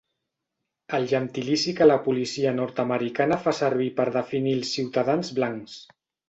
El gentilici que la policia nord-americana fa servir per definir els ciutadans blancs.